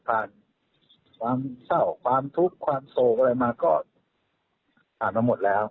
ผ่านความเศร้าความทุกข์ความโศกอะไรมาก็ผ่านมาหมดแล้ว